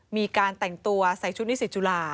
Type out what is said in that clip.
มีการแต่งตัวใส่ชุดนิสิตจุฬา